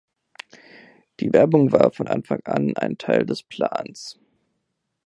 Die Werbung war von Anfang an ein Teil des Plans.